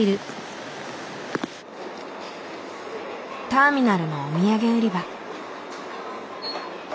ターミナルのお土産売り場。